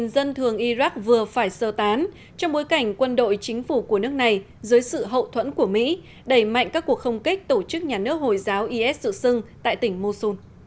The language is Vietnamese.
dân thường iraq vừa phải sơ tán trong bối cảnh quân đội chính phủ của nước này dưới sự hậu thuẫn của mỹ đẩy mạnh các cuộc không kích tổ chức nhà nước hồi giáo is dự xưng tại tỉnh mosun